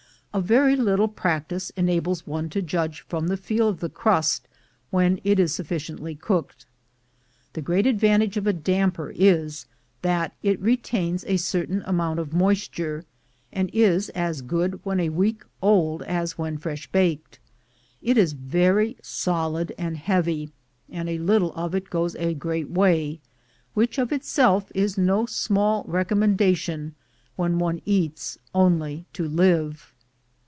A very little practice enables one to judge from the feel of the crust when it is sufficiently cooked. The great advantage of a damper is, that it retains a certain amount of moisture, and is as good when a week old as when fresh baked. It is very solid and heavy, and a little of it goes a great way, which of itself is no small recommendation when one eats only to live.